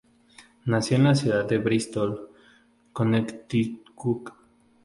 Nació en la ciudad de Bristol, Connecticut.